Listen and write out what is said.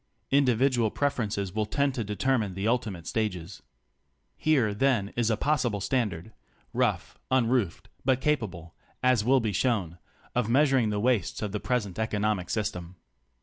Individual preferences will tend to determine the ulti mate stages. Here then is a possible standard — rough, un roofed, but capable, as will be shown, of measuring the wastes of the present economic system.